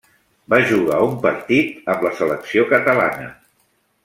Va jugar un partit amb la selecció catalana.